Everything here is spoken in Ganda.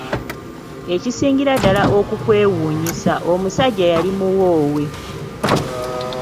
Ekisingira ddala okukwewuunyisa omusajja yali muwoowe.